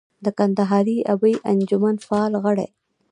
د کندهاري ادبي انجمن فعال غړی.